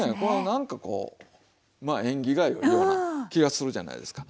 なんかこうまあ縁起が良いような気がするじゃないですか。